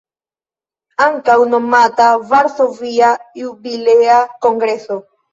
Ankaŭ nomata "Varsovia Jubilea Kongreso".